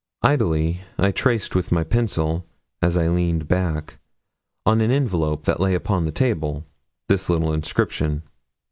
Idly I traced with my pencil, as I leaned back, on an envelope that lay upon the table, this little inscription.